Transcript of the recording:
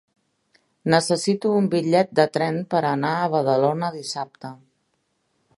Necessito un bitllet de tren per anar a Badalona dissabte.